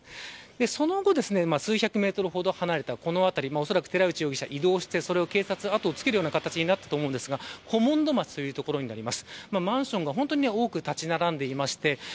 その後、数百メートルほど離れたこの辺りで寺内容疑者が移動して警察が後をつけるような形になったと思いますが古門戸町という所になります。